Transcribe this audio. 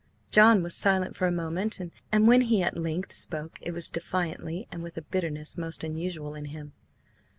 John was silent for a moment, and when he at length spoke it was defiantly and with a bitterness most unusual in him.